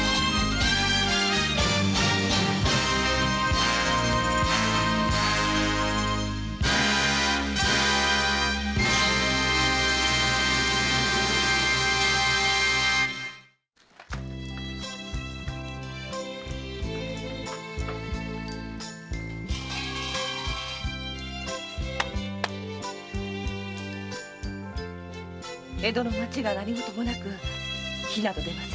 江戸の町が何事もなく火など出ませんように。